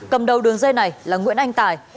cầm đầu đường dây này là nguyễn anh tài